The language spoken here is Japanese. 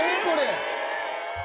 これ。